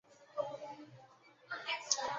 就是为了吃猪肉